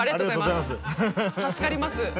助かります。